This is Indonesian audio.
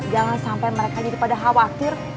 jangan sampai mereka jadi pada khawatir